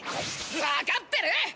わかってる！